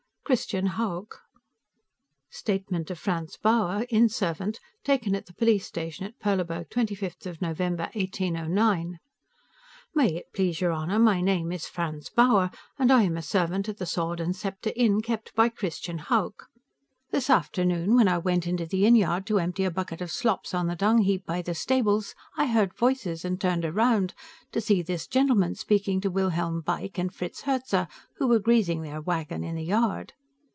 Christian Hauck (Statement of Franz Bauer, inn servant, taken at the police station at Perleburg, 25 November, 1809.) May it please your honor, my name is Franz Bauer, and I am a servant at the Sword & Scepter Inn, kept by Christian Hauck. This afternoon, when I went into the inn yard to empty a bucket of slops on the dung heap by the stables, I heard voices and turned around, to see this gentleman speaking to Wilhelm Beick and Fritz Herzer, who were greasing their wagon in the yard.